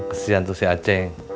kesian tuh si a ceng